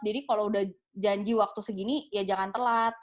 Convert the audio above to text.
jadi kalau udah janji waktu segini ya jangan telat